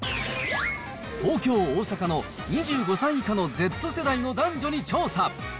東京、大阪の２５歳以下のＺ世代の男女に調査。